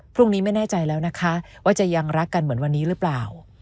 พรุ่งนี้ไม่แน่ใจแล้วนะคะว่าจะยังรักกันเหมือนวันนี้หรือเปล่า